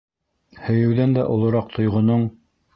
Һөйөүҙән дә олораҡ тойғоноң.